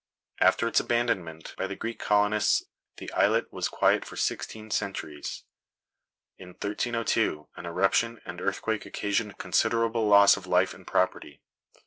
After its abandonment by the Greek colonists the islet was quiet for sixteen centuries. In 1302 an eruption and earthquake occasioned considerable loss of life and property.